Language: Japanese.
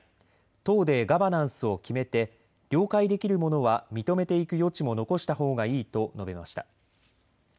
党でガバナンスを決めて了解できるものは認めていく余地も残したほうがいいと述べました。